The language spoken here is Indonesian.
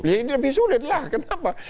ya ini lebih sulit lah kenapa